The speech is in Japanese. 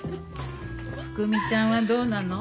福美ちゃんはどうなの？